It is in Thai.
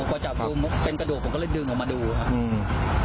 พอจับดูเป็นกระดูกผมก็เลยดึงออกมาดูครับ